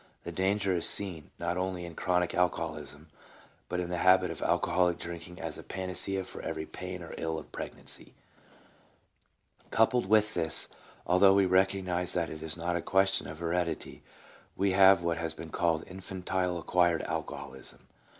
The danger is seen, not only in chronic alcoholism, but in the habit of alcoholic drinking as a panacea for every pain or ill of pregnancy. Coupled with this, although we recognize that it is not a question of heredity, we have what has been called " Infantile acquired alcoholism."